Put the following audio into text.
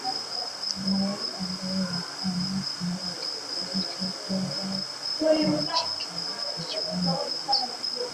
Bwe yali addayo ewaka n'afuna ekirowoozo eky'okuwa Wakikere ekibonerezo.